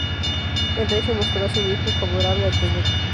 El rey se mostró asimismo favorable al proyecto.